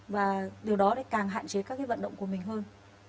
và điều đó càng hạn chế các vận động của mình hơn